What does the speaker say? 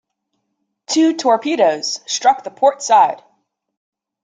Two torpedoes struck the port side.